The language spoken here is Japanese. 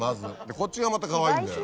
こっちがまたかわいいんだよ